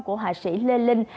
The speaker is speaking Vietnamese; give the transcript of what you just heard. của họa sĩ lê linh